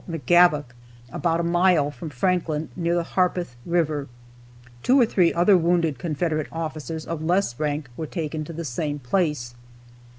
McGavock, about a mile from Franklin, near the Harpeth river. Two or three other wounded Confederate officers of less rank were taken to the same place.